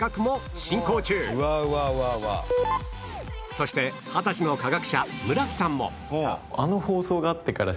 そして二十歳の化学者村木さんも